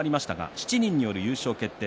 ７人による優勝決定